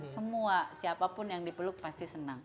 semua siapapun yang dipeluk pasti senang